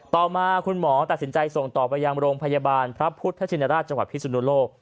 ต่อมาคุณหมอตัดสินใจส่งต่อไปยังโรงพยาบาลพระพุทธชินราชจังหวัดพิสุนุโลก